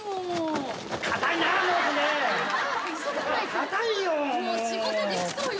硬いよ